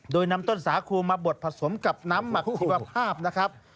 โดยนำต้นสาคูมาบดผสมกับน้ำหมักสุขภาพนะครับ